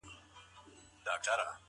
موږ ټول د یو کلتور غړي یو.